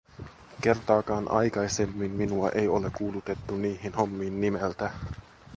Kertaakaan aikaisemmin minua ei ole kuulutettu niihin hommiin nimeltä.